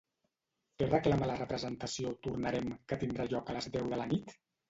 Què reclama la representació “Tornarem” que tindrà lloc a les deu de la nit?